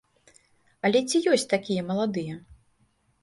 Але ці ёсць такія маладыя?